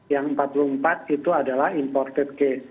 yang empat puluh empat itu adalah imported case